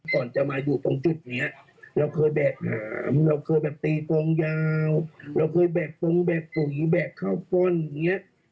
ก่อนจะมาอยู่ตรงจุดนี้เราเคยแบกหามเราเคยแบบตีกองยาวเราเคยแบกปรงแบกปุ๋ยแบกข้าวป้นอย่างเงี้ย